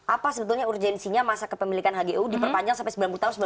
apa sebetulnya urgensinya masa kepemilikan hgu diperpanjang sampai sembilan puluh tahun